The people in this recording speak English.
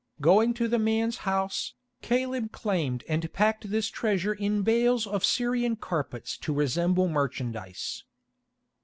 Going to the man's house, Caleb claimed and packed this treasure in bales of Syrian carpets to resemble merchandise.